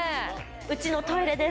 うちのトイレです。